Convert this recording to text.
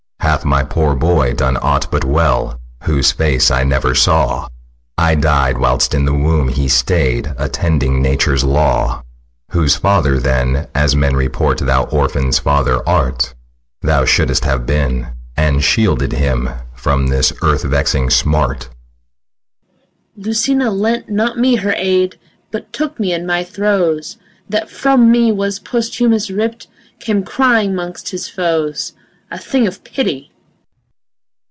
Hath my poor boy done aught but well, Whose face I never saw? I died whilst in the womb he stay'd Attending nature's law; Whose father then, as men report Thou orphans' father art, Thou shouldst have been, and shielded him From this earth vexing smart. MOTHER. Lucina lent not me her aid, But took me in my throes, That from me was Posthumus ripp'd, Came crying 'mongst his foes, A thing of pity.